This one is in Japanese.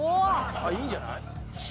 あっいいんじゃない？